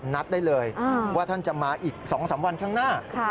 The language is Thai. นัดได้เลยว่าท่านจะมาอีก๒๓วันข้างหน้า